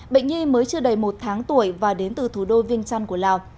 bệnh nhi mới chưa đầy một tháng tuổi và đến từ thủ đô viên trăn của lào